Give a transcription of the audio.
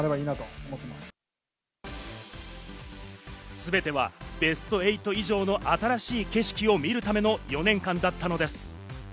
全てはベスト８以上の新しい景色を見るための４年間だったのです。